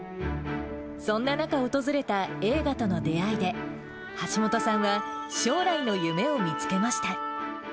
そんな中、訪れた映画との出会いで、橋本さんは将来の夢を見つけました。